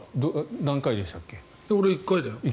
俺、１回だよ。